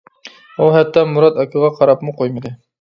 ئۇ ھەتتا مۇرات ئاكىغا قاراپمۇ قويمىدى.